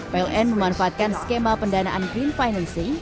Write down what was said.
pln memanfaatkan skema pendanaan green financing